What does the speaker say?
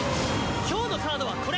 今日のカードはこれ！